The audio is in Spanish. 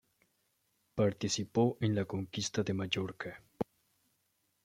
Participó en la conquista de Mallorca.